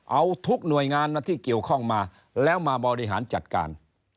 เอาทุกหน่วยงานที่เกี่ยวข้องมาแล้วมาบริหารจัดการ